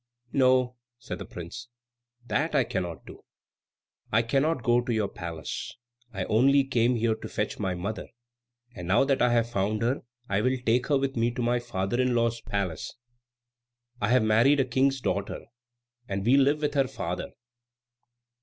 "No," said the prince, "that I cannot do. I cannot go to your palace. I only came here to fetch my mother; and now that I have found her, I will take her with me to my father in law's palace. I have married a King's daughter, and we live with her father."